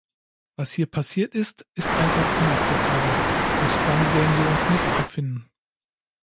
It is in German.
Was hier passiert ist, ist einfach inakzeptabel und damit werden wir uns nicht abfinden.